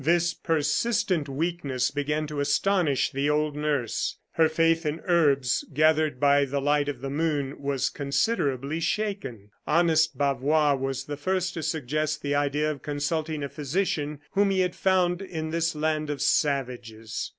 This persistent weakness began to astonish the old nurse. Her faith in herbs, gathered by the light of the moon, was considerably shaken. Honest Bavois was the first to suggest the idea of consulting a physician whom he had found in this land of savages.